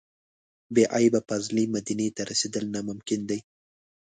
بې عیبه فاضلې مدینې ته رسېدل ناممکن دي.